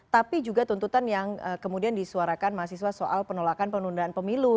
tapi juga tuntutan yang kemudian disuarakan mahasiswa soal penolakan penundaan pemilu